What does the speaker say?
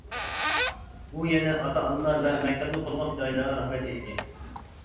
ئۇ يەنە ئاتا-ئانىلار ۋە مەكتەپنى قوللىغان پىدائىيلارغا رەھمەت ئېيتتى.